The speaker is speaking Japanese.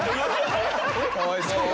かわいそう。